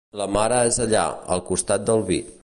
La mare és allà, al costat del vi.